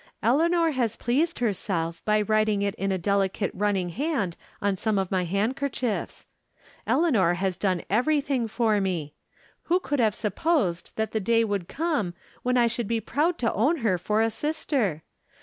Eleanor has pleased herself by writing it in a delicate running hand on some of my hand kerchiefs. Eleanor has done everything for me. "Who could have supposed that the day would come when I should be proud to own her for a sister